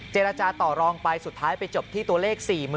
เจรจาต่อรองไปสุดท้ายไปจบที่ตัวเลข๔๐๐๐